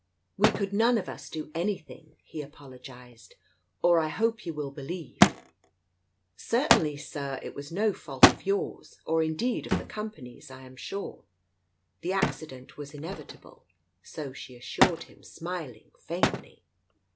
"We could none of us do anything," he apologized, "or I hope you will believe " "Certainly, Sir, it was no fault of yours, or indeed of the company's, I am sure. The accident was inevit able I " so she assured him, smiling faintly.